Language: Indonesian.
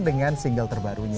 dengan single terbarunya